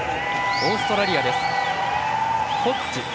オーストラリアです。